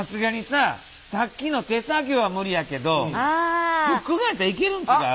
さっきの手作業は無理やけどフックガンやったらいけるん違う？